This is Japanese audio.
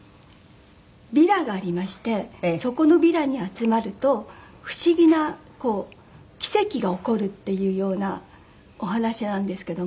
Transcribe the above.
ヴィラがありましてそこのヴィラに集まると不思議な奇跡が起こるっていうようなお話なんですけども。